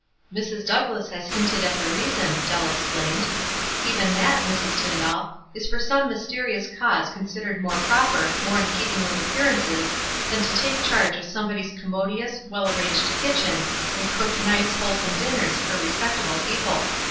"Mrs. Douglass has hinted at the reason," Dell explained. "Even that, Mrs. Tyndall, is for some mysterious cause considered more proper, more in keeping with appearances, than to take charge of somebody's commodious, well arranged kitchen, and cook nice, wholesome dinners for respectable people.